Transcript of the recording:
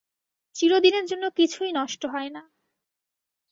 চিরদিনের জন্য কিছুই নষ্ট হয় না।